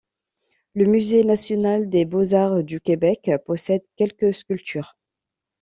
Le Musée national des beaux-arts du Québec possède quelques sculptures.